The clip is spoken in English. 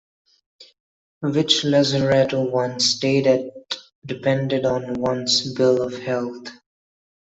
Which lazaretto one stayed at depended on one's bill of health.